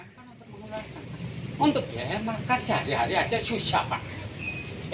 jangan kan untuk mengurangkan untuk dia yang makan sehari hari aja susah banget